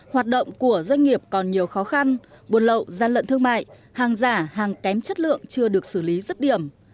hoạt động của doanh nghiệp còn nhiều khó khăn buồn lậu gian lận thương mại hàng giả hàng kém chất lượng chưa được xử lý rứt điểm